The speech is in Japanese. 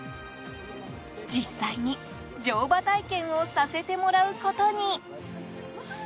実際に乗馬体験をさせてもらうことに！